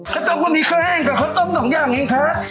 ข้าวต้มก็มีข้าวแห้งกับข้าวต้ม๒อย่างเองครับ